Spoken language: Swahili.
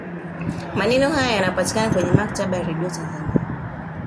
maneno hayo yanapatikana kwenye maktaba ya redio tanzania